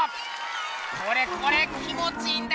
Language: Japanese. これこれ気もちいいんだよな！